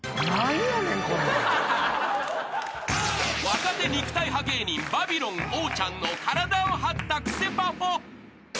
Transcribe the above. ［若手肉体派芸人バビロンおーちゃんの体を張ったクセパフォ］